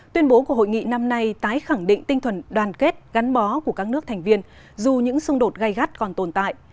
tuyên bố của hội nghị năm nay tái khẳng định tinh thần đoàn kết gắn bó của các nước thành viên dù những xung đột gây gắt còn tồn tại